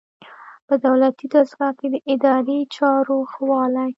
په دولتي دستګاه کې د اداري چارو ښه والی.